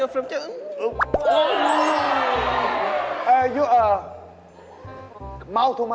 หมอบบาง